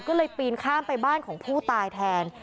ก็เลยปีนข้ามไปบ้านของผู้ตายแทน